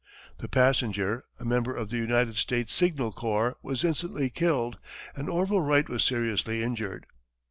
The passenger, a member of the United States Signal Corps, was instantly killed and Orville Wright was seriously injured.